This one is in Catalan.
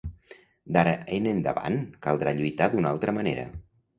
D'ara en endavant caldrà lluitar d'una altra manera.